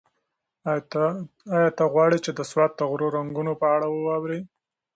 ایا ته غواړې چې د سوات د غرو د رنګونو په اړه واورې؟